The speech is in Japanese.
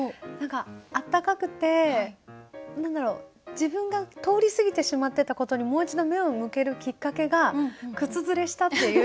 温かくて何だろう自分が通り過ぎてしまってたことにもう一度目を向けるきっかけが「靴ずれした」っていう。